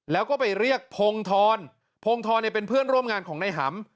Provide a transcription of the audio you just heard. แล้วก็ไปเรียกพงธรพงธรเป็นเพื่อนร่วมงานของนายหำ